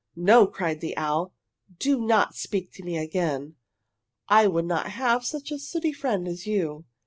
"No," cried the owl. "Do not speak to me again. I would not have such a sooty friend as you!"